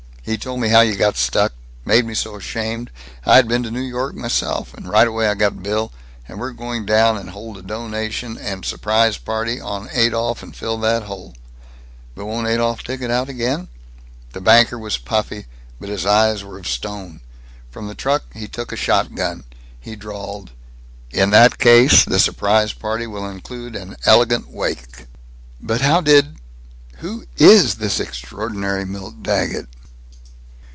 He told me how you got stuck made me so ashamed I been to New York myself and right away I got Bill, and we're going down and hold a donation and surprise party on Adolph and fill that hole." "But won't Adolph dig it out again?" The banker was puffy, but his eyes were of stone. From the truck he took a shotgun. He drawled, "In that case, the surprise party will include an elegant wake." "But how did Who is this extraordinary Milt Daggett?"